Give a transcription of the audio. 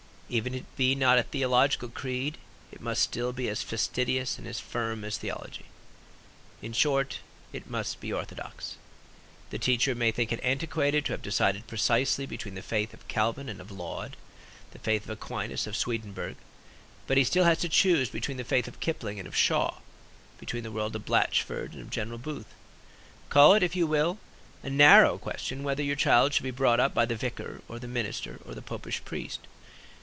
Even if it be not a theological creed, it must still be as fastidious and as firm as theology. In short, it must be orthodox. The teacher may think it antiquated to have to decide precisely between the faith of Calvin and of Laud, the faith of Aquinas and of Swedenborg; but he still has to choose between the faith of Kipling and of Shaw, between the world of Blatchford and of General Booth. Call it, if you will, a narrow question whether your child shall be brought up by the vicar or the minister or the popish priest.